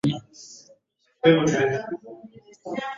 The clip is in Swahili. vilikutwa vimetapakaa kwenye barabara yenye